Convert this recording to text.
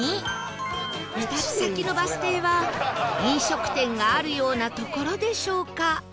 ２つ先のバス停は飲食店があるような所でしょうか？